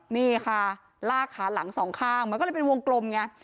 นี่ค่ะลากขาหลังสองข้างมันก็เลยเป็นวงกลมไง